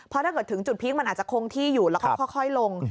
เพราะถ้าเกิดถึงจุดพีคมันอาจจะคงที่อยู่แล้วก็ค่อยลง